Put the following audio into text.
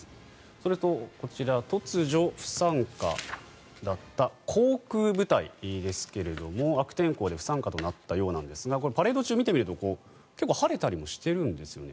それと、こちら突如不参加だった航空部隊ですが悪天候で不参加となったようなんですがパレード中見てみると結構晴れたりもしてるんですよ。